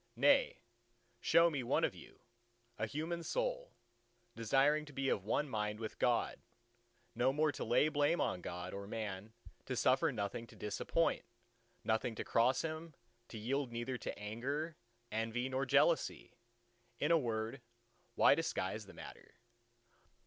—Nay, show me, one of you, a human soul, desiring to be of one mind with God, no more to lay blame on God or man, to suffer nothing to disappoint, nothing to cross him, to yield neither to anger, envy, nor jealousy—in a word, why disguise the matter?